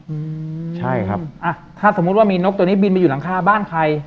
อืมใช่ครับอ่ะถ้าสมมุติว่ามีนกตัวนี้บินไปอยู่หลังคาบ้านใคร